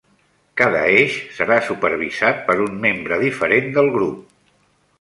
Cada eix serà supervisat per un membre diferent del grup.